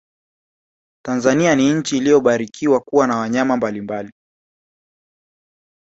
tanzania ni nchi iliyobarikiwa kuwa na wanyama mbalimbali